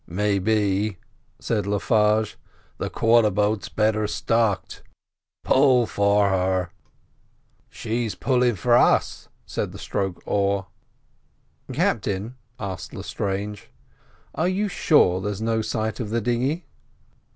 "Maybe," said Le Farge, "the quarter boat's better stocked; pull for her." "She's pulling for us," said the stroke oar. "Captain," asked Lestrange, "are you sure there's no sight of the dinghy?"